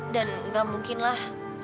dan gak mungkin lah